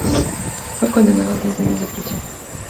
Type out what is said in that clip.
Fue condenado a seis años de prisión.